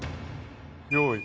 用意